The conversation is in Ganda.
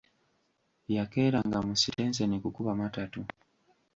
Yakeeranga mu sitenseni kukuba matatu.